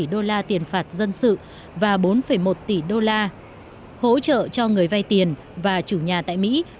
đức sẽ trả ba một tỷ usd và bốn một tỷ usd hỗ trợ cho người vay tiền và chủ nhà tại mỹ